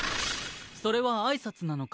それは挨拶なのか？